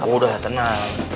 kamu udah tenang